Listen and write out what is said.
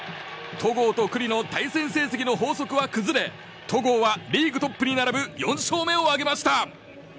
戸郷と九里の対戦成績の法則は崩れ戸郷はリーグトップに並ぶ４勝目を挙げました。